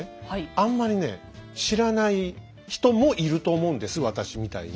あんまりね知らない人もいると思うんです私みたいに。